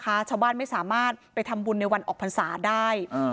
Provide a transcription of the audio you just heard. ชาวบ้านไม่สามารถไปทำบุญในวันออกพรรษาได้